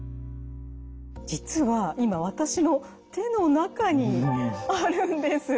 実は今私の手の中にあるんです。